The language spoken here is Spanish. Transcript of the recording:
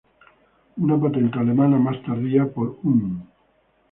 Una patente alemana más tardía por Un.